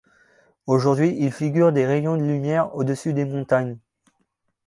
Aujourd'hui, il figure des rayons de lumière au-dessus des montagnes.